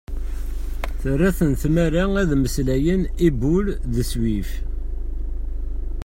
Terra-ten tmara ad mmeslayen i Boule de Suif.